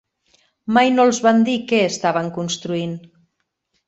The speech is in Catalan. Mai no els van dir què estaven construint.